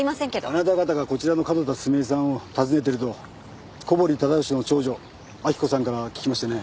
あなた方がこちらの角田澄江さんを訪ねてると小堀忠夫氏の長女明子さんから聞きましてね。